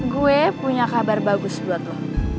gue punya kabar bagus buat lo